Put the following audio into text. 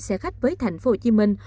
xe khách với thành phố hồ chí minh